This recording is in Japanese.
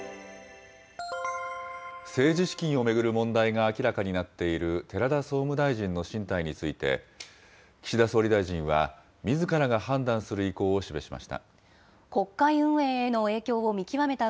政治資金を巡る問題が明らかになっている寺田総務大臣の進退について、岸田総理大臣はみずからが判断する意向を示しました。